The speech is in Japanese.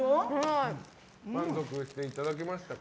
満足していただけましたか。